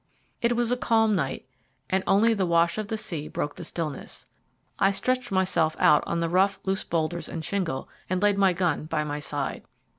It was a calm night, and only the wash of the sea broke the stillness. I stretched myself on the rough, loose boulders and shingle, and laid my gun by my side.